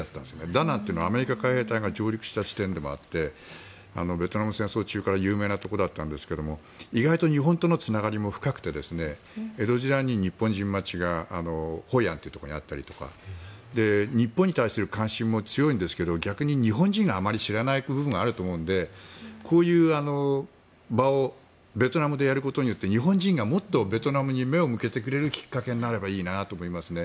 ダナンというのはアメリカ海兵隊が上陸した地点でもあってベトナム戦争中から有名なところだったんですが意外と日本とのつながりも深くて江戸時代に日本人町がホイアンにあったりとか日本に対する関心も強いんですけど逆に日本人があまり知らない部分があると思うのでこういう場をベトナムでやることによって日本人がもっとベトナムに目を向けてくれるきっかけになればいいなと思いますね。